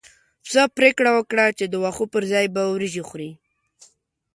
پسه پرېکړه وکړه چې د واښو پر ځای به وريجې خوري.